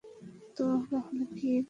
তো, তাহলে কী ভাবলি?